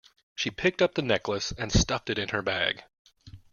She picked up the necklace and stuffed it into her bag